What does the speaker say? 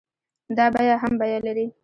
دا بيه هم بيه لري.